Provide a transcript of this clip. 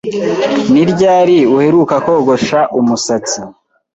Ni ryari uheruka kogosha umusatsi?